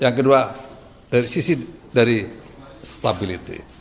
yang kedua dari sisi dari stability